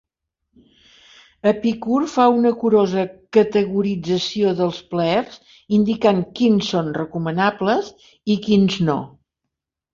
Epicur fa una curosa categorització dels plaers, indicant quins són recomanables i quins no.